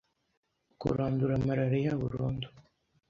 Kurandura malaria burundu